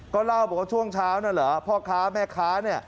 ก็เล่าบอกว่าช่วงเช้านั่นเหรอพ่อค้าแม่ค้าเนี่ย